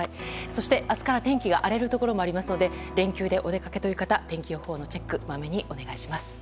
そして明日から天気が荒れるところがありますので連休でお出かけの方天気予報のチェックをまめにお願いします。